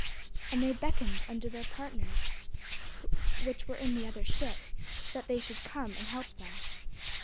And they beckoned unto their partners, which were in the other ship, that they should come and help them.